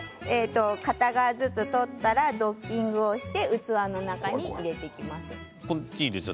片側ずつ取ったらドッキングをして器の中に入れていきます。